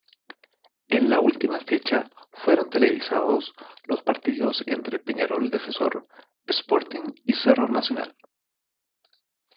En la última fecha fueron televisados los partidos entre Peñarol-Defensor Sporting y Cerro-Nacional.